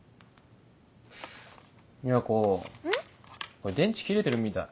これ電池切れてるみたい。